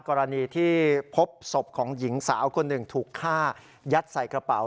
กรณีที่พบศพของหญิงสาวคนหนึ่งถูกฆ่ายัดใส่กระเป๋า